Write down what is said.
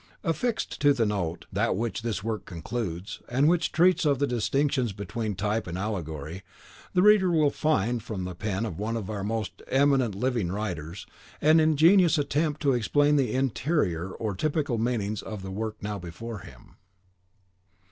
Affixed to the "Note" with which this work concludes, and which treats of the distinctions between type and allegory, the reader will find, from the pen of one of our most eminent living writers, an ingenious attempt to explain the interior or typical meanings of the work now before him.